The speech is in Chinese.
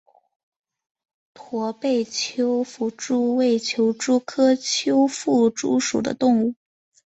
驼背丘腹蛛为球蛛科丘腹蛛属的动物。